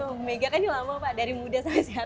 bapak bumega kan lama pak dari muda sampai sehat